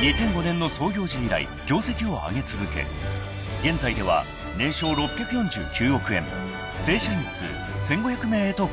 ［２００５年の創業時以来業績を上げ続け現在では年商６４９億円正社員数１，５００名へと拡大］